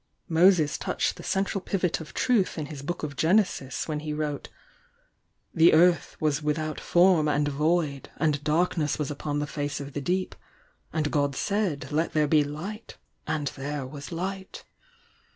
Moses THE YOUNG DIANA 188 touched the central pivot of truth in his Book of Genesis when he wrote: 'The earth was without form, and void; and darkness was upon the face of the deep ... And God said, Let there be Light. And there was Light.'